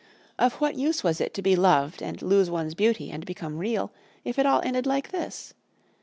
Of what use was it to be loved and lose one's beauty and become Real if it all ended like this?